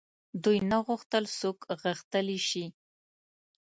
دوی نه غوښتل څوک غښتلي شي.